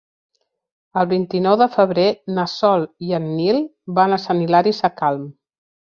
El vint-i-nou de febrer na Sol i en Nil van a Sant Hilari Sacalm.